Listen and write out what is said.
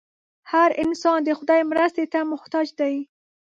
هر انسان د خدای مرستې ته محتاج دی.